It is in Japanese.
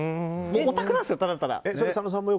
オタクなんですよ、ただただ。